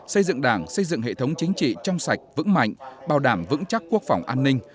xây dựng đảng xây dựng hệ thống chính trị trong sạch vững mạnh bảo đảm vững chắc quốc phòng an ninh